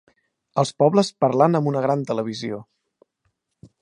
els pobles parlant amb una gran televisió